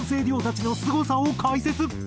デュオたちのすごさを解説。